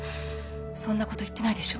そんなこと言ってないでしょ